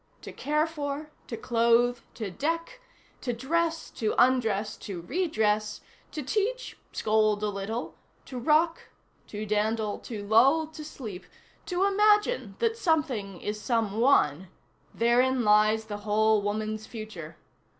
To care for, to clothe, to deck, to dress, to undress, to redress, to teach, scold a little, to rock, to dandle, to lull to sleep, to imagine that something is some one,—therein lies the whole woman's future.